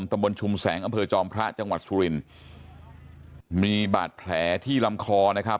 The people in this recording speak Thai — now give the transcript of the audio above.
ตำบลชุมแสงอำเภอจอมพระจังหวัดสุรินทร์มีบาดแผลที่ลำคอนะครับ